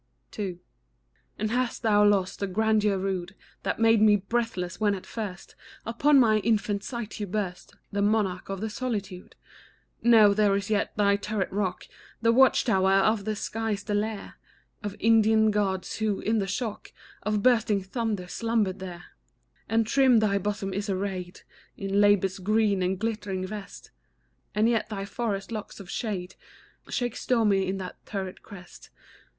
II. And hast thou lost the grandeur rude That made me breathless, when at first Upon my infant sight you burst, The monarch of the solitude? No; there is yet thy turret rock, The watch tower of the skies, the lair Of Indian Gods, who, in the shock Of bursting thunders, slumbered there; And trim thy bosom is arrayed In labour's green and glittering vest, And yet thy forest locks of shade Shake stormy on that turret crest.